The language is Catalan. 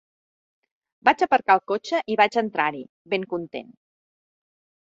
Vaig aparcar el cotxe i vaig entrar-hi, ben content.